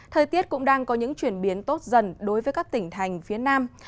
thời tiết cũng đang có những chuyển biến tốt dần đối với các tỉnh thành phía nam